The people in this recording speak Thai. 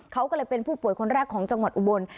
เขาก็เลยเป็นผู้ป่วยคนแรกของจังหวัดอุบล